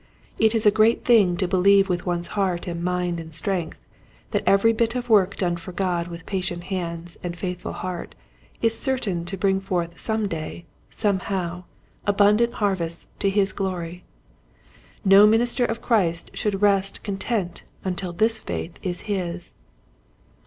It is a great thing to believe with one's heart and mind and strength that every bit of work done for God with patient hands and faithful heart is certain to bring forth some day, somehow, abundant harvests to his glory. No minister of Christ should rest content until this faith is his.